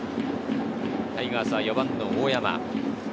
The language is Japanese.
タイガースは４番の大山。